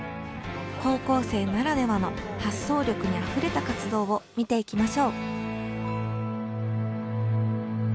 高校生ならではの発想力にあふれた活動を見ていきましょう。